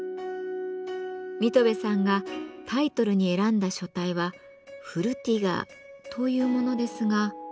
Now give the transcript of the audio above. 水戸部さんがタイトルに選んだ書体はフルティガーというものですが。